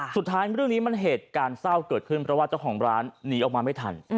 สุดท้ายเรื่องนี้มันเหตุการณ์เศร้าเกิดขึ้นเพราะว่าเจ้าของร้านหนีออกมาไม่ทัน